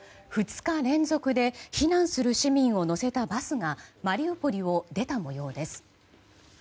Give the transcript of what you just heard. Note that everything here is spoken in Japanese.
２日連続で避難する市民を乗せたバスがマリウポリを出た模様です。